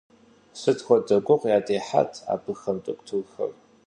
Сыт хуэдэу гугъу ядехьат абыхэм дохутырхэр!